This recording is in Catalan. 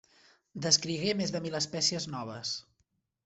Descrigué més de mil espècies noves.